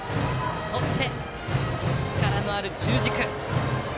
そして、力のある中軸。